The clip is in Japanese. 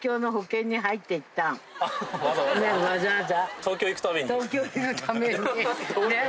東京行くために。